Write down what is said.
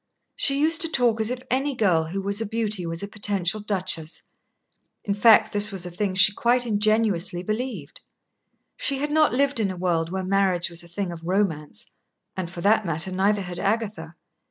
She used to talk as if any girl who was a beauty was a potential duchess. In fact, this was a thing she quite ingenuously believed. She had not lived in a world where marriage was a thing of romance, and, for that matter, neither had Agatha.